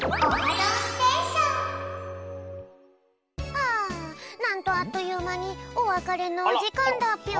ああなんとあっというまにおわかれのおじかんだぴょん。